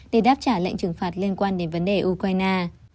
để đáp trả lệnh trừng phạt liên quan đến ukraine